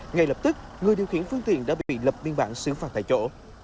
ngay lập tức người điều khiển phương tiện đã bị lập biên bản xử phạt tại chỗ